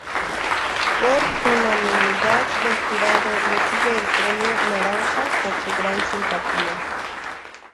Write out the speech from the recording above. Por unanimidad del jurado recibe el premio "Naranja" por su gran simpatía.